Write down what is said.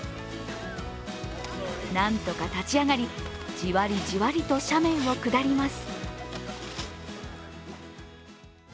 なんとか立ち上がり、じわりじわりと斜面を下ります。